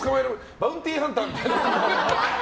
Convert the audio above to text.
バウンティーハンターみたいな。